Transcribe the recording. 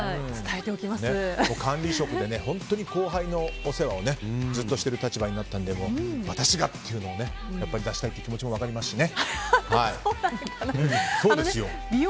管理職で本当に後輩のお世話をずっとしている立場になったので私がっていうのを出したい気持ちも分かりますしね。